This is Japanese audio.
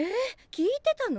聞いてたの？